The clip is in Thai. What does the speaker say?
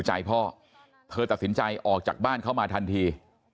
ใจพ่อเธอตัดสินใจออกจากบ้านเข้ามาทันที